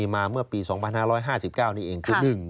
มาเมื่อปี๒๕๕๙นี่เองคือ